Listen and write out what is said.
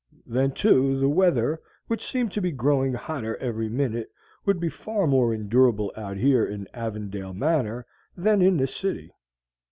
Then, too, the weather, which seemed to be growing hotter every minute, would be far more endurable out here in Avondale Manor than in the city.